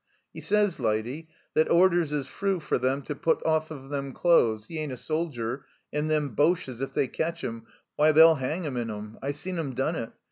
" 'E sys, lydy, that orders is froo for 'em to put off of them clothes ; he ain't a soldier, and them Boches, if they cetch 'im, why, they'll 'eng him in 'em. I seen 'im done it.